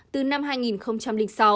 từ năm hai nghìn sáu